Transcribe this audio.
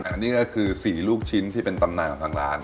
อันนี้ก็คือ๔ลูกชิ้นที่เป็นตำนานของทางร้าน